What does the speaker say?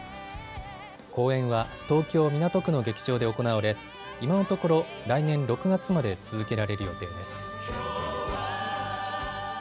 公演は東京港区の劇場で行われ今のところ来年６月まで続けられる予定です。